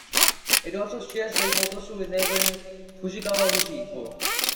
It also shares Lake Motosu with neighbouring Fujikawaguchiko.